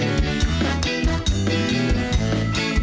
ลืมตาเมฆที่ใจหนูให้หวัด